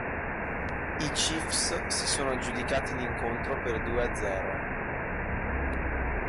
I Chiefs si sono aggiudicati l'incontro per due a zero.